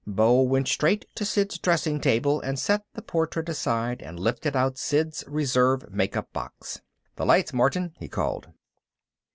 Beau went straight to Sid's dressing table and set the portrait aside and lifted out Sid's reserve makeup box. "The lights, Martin!" he called.